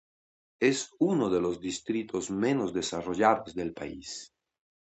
Es uno de los distritos menos desarrollados del país.